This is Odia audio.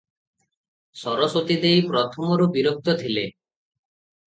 ସରସ୍ୱତୀ ଦେଈ ପ୍ରଥମରୁ ବିରକ୍ତ ଥିଲେ ।